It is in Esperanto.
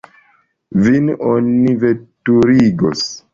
Vin oni veturigos.